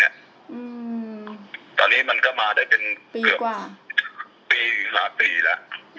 อื้อตอนนี้มันก็มาได้เป็นปีกว่าเกือบปีหหาปีแหละ